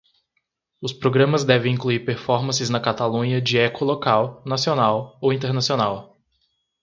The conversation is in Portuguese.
Os programas devem incluir performances na Catalunha de eco local, nacional ou internacional.